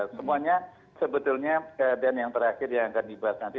semuanya sebetulnya keadaan yang terakhir yang akan dibahas nanti